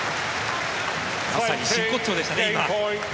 まさに真骨頂でしたね、今。